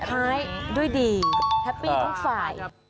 ท้ายด้วยดีแฮปปี้ทุกฝ่าย